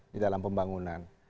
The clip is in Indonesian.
di dalam pembangunan